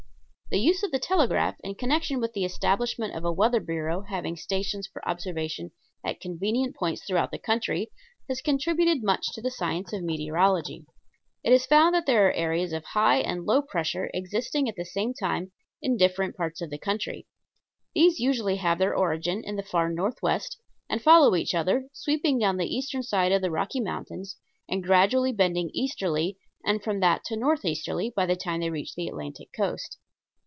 The use of the telegraph in connection with the establishment of a weather bureau having stations for observation at convenient points throughout the country has contributed much to the science of meteorology. It is found that there are areas of high and low pressure existing at the same time in different parts of the country. These usually have their origin in the far northwest, and follow each other, sweeping down the eastern side of the Rocky Mountains and gradually bending easterly and from that to northeasterly by the time they reach the Atlantic coast.